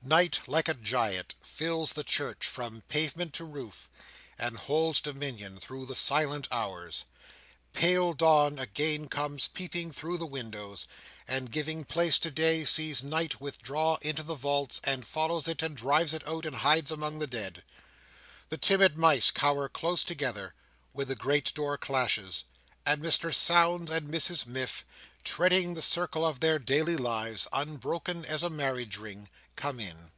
Night, like a giant, fills the church, from pavement to roof, and holds dominion through the silent hours. Pale dawn again comes peeping through the windows: and, giving place to day, sees night withdraw into the vaults, and follows it, and drives it out, and hides among the dead. The timid mice again cower close together, when the great door clashes, and Mr Sownds and Mrs Miff treading the circle of their daily lives, unbroken as a marriage ring, come in.